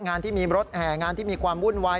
งานที่มีรถแห่งานที่มีความวุ่นวาย